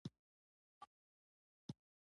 همدلته د اوسیدو له امله الخلیل ښار دده په نوم مسمی شو.